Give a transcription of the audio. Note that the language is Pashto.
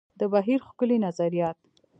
د بهیر ښکلي نظریات.